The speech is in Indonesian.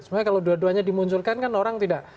sebenarnya kalau dua duanya dimunculkan kan orang tidak